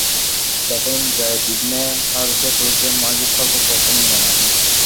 তখন Zayd ibn Haritha পুরুষদের মাঝে সর্ব প্রথম ঈমান আনেন।